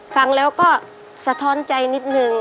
ฟังแล้วก็สะท้อนใจนิดนึง